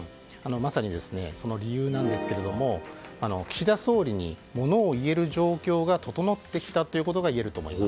まさにその理由なんですが岸田総理にものを言える状況が整ってきたということがいえると思います。